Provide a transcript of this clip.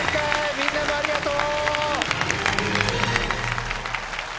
みんなもありがとう。